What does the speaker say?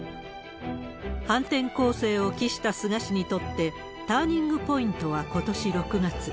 反転攻勢を期した菅氏にとって、ターニングポイントはことし６月。